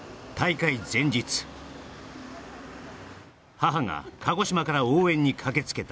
母が鹿児島から応援に駆けつけた